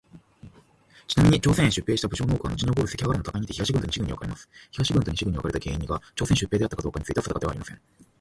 ちなみに、朝鮮へ出兵した武将の多くはのちに起こる関ヶ原の戦いにて東軍と西軍に分かれます。東軍と西軍に分かれた原因にが朝鮮出兵であったかどうかについては定かではありません。